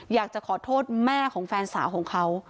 อยากจะขอโทษแม่ของแฟนสาวของเขา